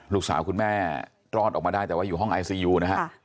ลูกสาวคุณแม่ตลอดออกมาได้แต่ว่าอยู่ห้องไอซียูนะครับ